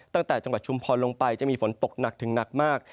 ตั้งแต่จังหวัดชุมพรลงไปจะมีฝนตกหนักถึงหนักมาก